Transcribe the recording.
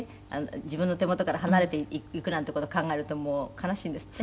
「自分の手元から離れていくなんて事考えるともう悲しいんですって？」